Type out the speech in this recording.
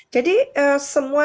jadi semua dimunculkan